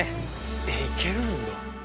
えいけるんだ。